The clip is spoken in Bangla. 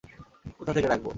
কোথা থেকে ডাকবো?